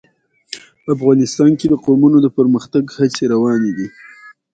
افغانستان کې د قومونه د پرمختګ هڅې روانې دي.